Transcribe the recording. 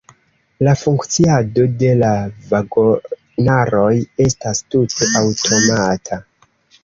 La funkciado de la vagonaroj estas tute aŭtomata.